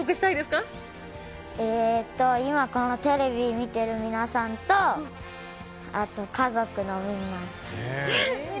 今、このテレビを見ている皆さんと、あと家族のみんな。